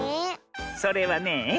それはねえ